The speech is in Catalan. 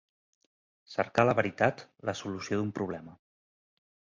Cercar la veritat, la solució d'un problema.